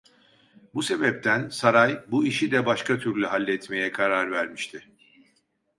Bu sebepten Saray bu işi de başka türlü halletmeye karar vermişti.